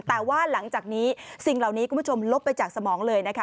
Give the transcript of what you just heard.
แต่ว่าหลังจากนี้สิ่งเหล่านี้คุณผู้ชมลบไปจากสมองเลยนะคะ